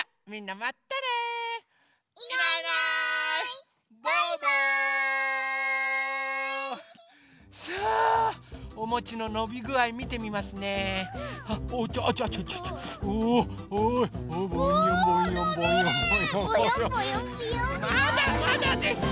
まだまだでした。